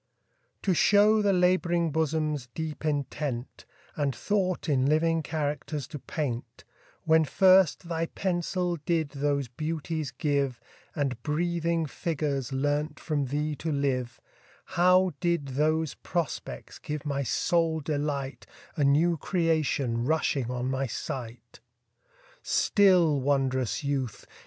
TO show the lab'ring bosom's deep intent, And thought in living characters to paint, When first thy pencil did those beauties give, And breathing figures learnt from thee to live, How did those prospects give my soul delight, A new creation rushing on my sight? Still, wond'rous youth!